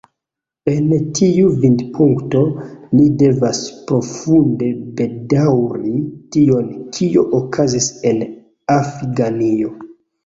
El tiu vidpunkto ni devas profunde bedaŭri tion, kio okazis en Afganio.